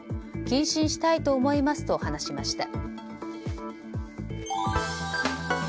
謹慎したいと思いますと話しました。